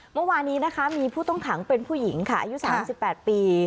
เมื่อวานนี้นะคะมีผู้ต้องขังเป็นผู้หญิงค่ะอายุ๓๘ปี